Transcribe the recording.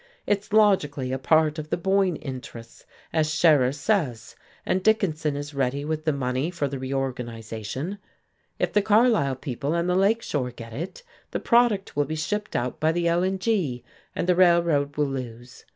It's logically a part of the Boyne interests, as Scherer says, and Dickinson is ready with the money for the reorganization. If the Carlisle people and the Lake Shore get it, the product will be shipped out by the L and G, and the Railroad will lose.